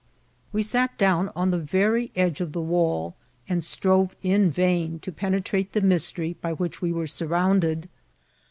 We sat down on the very edge of the wall, and strove in vain to penetrate the mystery by which we were surrounded.